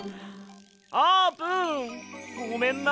あーぷんごめんな。